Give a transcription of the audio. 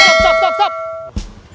kamu tidak boleh menyanyikan lagu ini